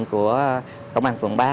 của công an phường ba